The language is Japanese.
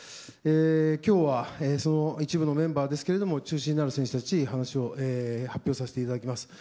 今日は一部のメンバーですけども中心になる選手たちを発表させていただきます。